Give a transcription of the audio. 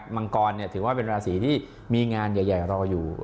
มังกรถือว่าเป็นราศีที่มีงานใหญ่รออยู่